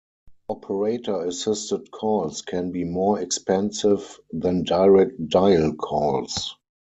Operator-assisted calls can be more expensive than direct dial calls.